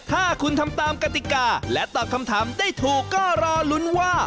ถ้าคุณทำตามกติกาและตอบคำถามได้ถูกก็รอลุ้นว่า